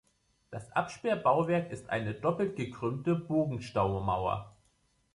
Das Absperrbauwerk ist eine doppelt gekrümmte Bogenstaumauer.